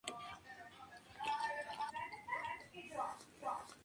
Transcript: La fundación se realizó en el Hospital Británico de Montevideo.